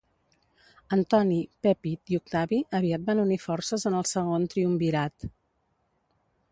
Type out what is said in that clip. Antoni, Pèpid i Octavi aviat van unir forces en el Segon Triumvirat.